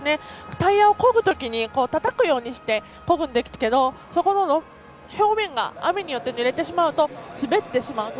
タイヤをこぐときにたたくようにしてこぐんですけどそこの表面が雨によってぬれてしまうと滑ってしまうと。